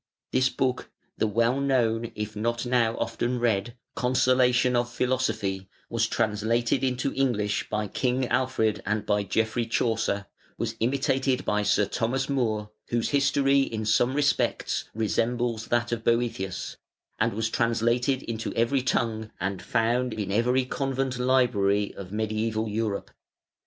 This book, the well known, if not now often read, "Consolation of Philosophy", was translated into English by King Alfred and by Geoffrey Chaucer, was imitated by Sir Thomas More (whose history in some respects resembles that of Boëthius), and was translated into every tongue and found in every convent library of mediæval Europe.